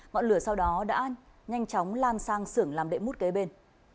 ngọn lửa sau đó đã nhanh chóng lan sang sưởng làm đệm mút kế bên